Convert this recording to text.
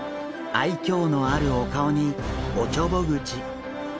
愛嬌のあるお顔におちょぼ口。